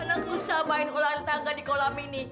alangku sabain olahraga di kolam ini